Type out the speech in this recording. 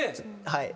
はい。